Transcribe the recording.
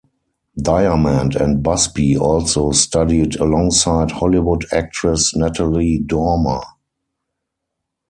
Diament and Busby also studied alongside Hollywood actress Natalie Dormer.